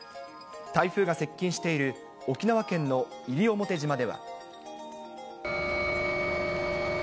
台風が接近している沖縄県の西表島では。